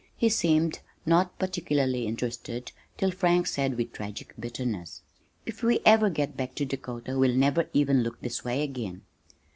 He seemed not particularly interested till Frank said with tragic bitterness, "If we ever get back to Dakota we'll never even look this way again."